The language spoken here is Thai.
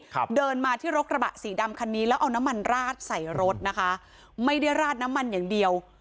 ครับเดินมาที่รถกระบะสีดำคันนี้แล้วเอาน้ำมันราดใส่รถนะคะไม่ได้ราดน้ำมันอย่างเดียว